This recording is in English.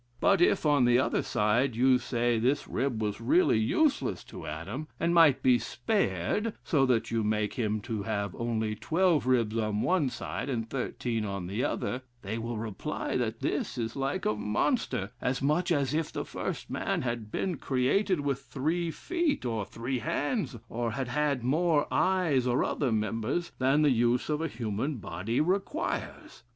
But it, on the other side, you say this rib was really useless to Adam, and might be spared, so that you make him to have only twelve ribs on one side and thirteen on the other, they will reply that this is like a monster, as much as if the first man had been created with three feet, or three hands, or had had more eyes, or other members, than the use of a human body requires.